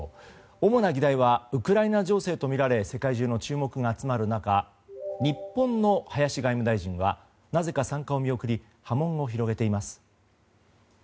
主な議題はウクライナ情勢とみられ世界中の注目が集まる中日本の林外務大臣はなぜか参加を見送り波紋を広げています。